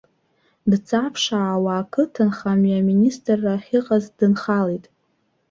Дҵаа-ԥшаауа, ақыҭа нхамҩа аминистрра ахьыҟаз дынхалеит.